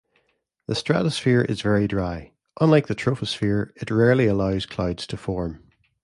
The stratosphere is very dry; unlike the troposphere, it rarely allows clouds to form.